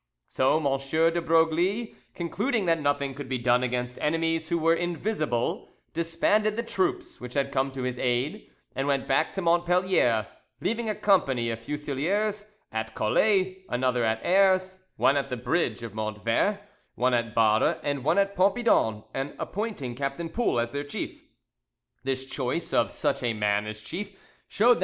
So M. de Broglie, concluding that nothing could be done against enemies who were invisible, disbanded the troops which had come to his aid, and went back to Montpellier, leaving a company of fusiliers at Collet, another at Ayres, one at the bridge of Montvert, one at Barre, and one at Pompidon, and appointing Captain Poul as their chief. This choice of such a man as chief showed that M.